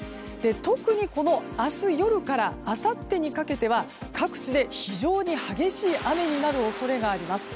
特に、この明日夜からあさってにかけては各地で、非常に激しい雨になる恐れがあります。